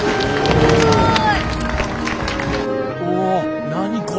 すごい。